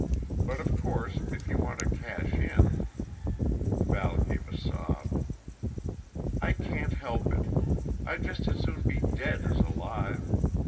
But, of course, if you want to cash in " Val gave a sob. "I can't help it I'd just as soon be dead as alive.